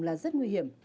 là rất nguy hiểm